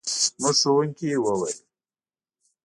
زموږ ښوونکي وویل.